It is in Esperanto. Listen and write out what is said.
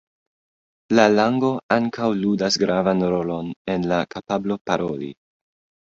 La lango ankaŭ ludas gravan rolon en la kapablo paroli.